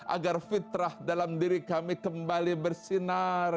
agar fitrah dalam diri kami kembali bersinar